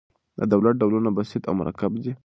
د دولت ډولونه بسیط او مرکب دي.